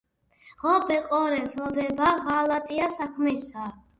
„ღობე-ყორეს მოდება ღალატია საქმისა.“